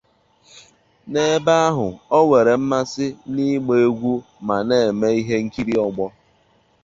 N'ebe ahụ, ọ nwere mmasị na ịgba egwu ma na-eme ihe nkiri ọgbọ.